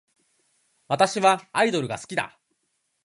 私はアイドルが好きだ